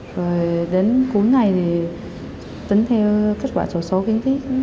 rồi đến cuối ngày thì tính theo kết quả số số kiến thiết